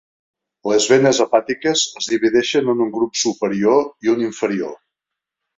Les venes hepàtiques es divideixen en un grup superior i un inferior.